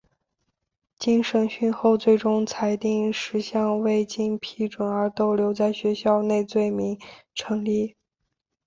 经审讯后最终裁定十项未经准许而逗留在学校内罪名成立。